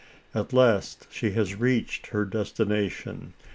At last she has reached her destination.